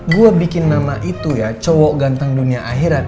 gue bikin nama itu ya cowo ganteng dunia akhirat